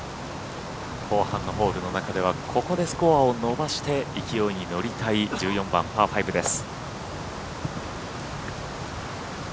後半のホールの中ではここでスコアを伸ばして勢いに乗りたい１４番パー５です。